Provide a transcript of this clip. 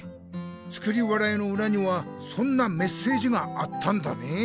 「作り笑い」のうらにはそんなメッセージがあったんだね。